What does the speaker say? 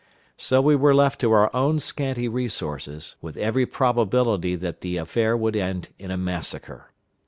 So we were left to our own scanty resources, with every probability that the affair would end in a massacre.